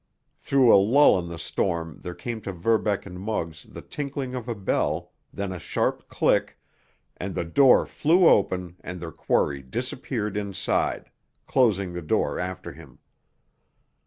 Through a lull in the storm there came to Verbeck and Muggs the tinkling of a bell, then a sharp click, and the door flew open and their quarry disappeared inside, closing the door after him.